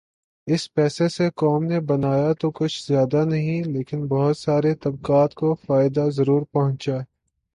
اس پیسے سے قوم نے بنایا تو کچھ زیادہ نہیں لیکن بہت سارے طبقات کو فائدہ ضرور پہنچا۔